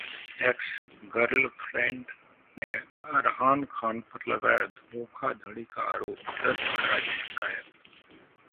Ex girlfriend ने अरहान खान पर लगाया धोखाधड़ी का आरोप, दर्ज कराई शिकायत